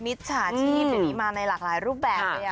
มิจฉาชีพนี้มาในหลากหลายรูปแบบเลย